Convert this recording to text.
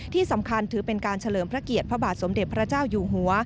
ที่สำคัญถือเป็นการเฉลิมพระเกียรติพระบาทสมเด็จพระเจ้าอยู่หัว